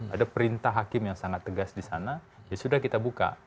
ada perintah hakim yang sangat tegas di sana ya sudah kita buka